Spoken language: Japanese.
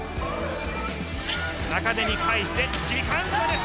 中根に返して時間差です。